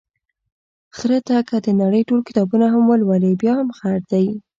خره ته که د نړۍ ټول کتابونه هم ولولې، بیا هم خر دی.